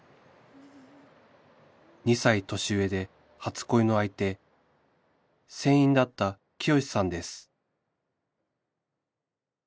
２歳年上で初恋の相手船員だった潔さんです